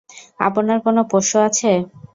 আপনার কোনো পোষ্য আছে?